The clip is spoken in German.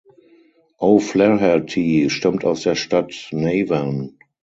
O’Flaherty stammt aus der Stadt Navan.